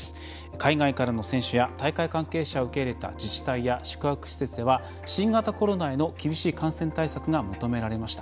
海外からの選手や大会関係者を受け入れた自治体や宿泊施設では新型コロナへの厳しい感染対策が求められました。